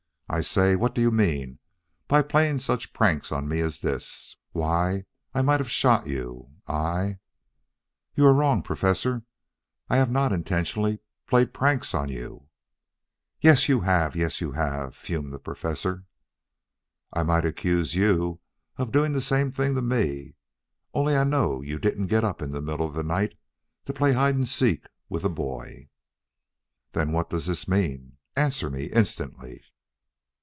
"I say, what do you mean by playing such pranks on me as this? Why, I might have shot you. I " "You are wrong, Professor; I have not intentionally played pranks on you " "Yes you have yes you have," fumed the Professor. "I might accuse you of doing the same thing to me, only I know you didn't get up in the middle of the night to play hide and seek with a boy " "Then what does this mean? Answer me instantly!"